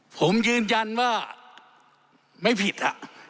ผมยืนยันว่าไม่ผิดอ่ะ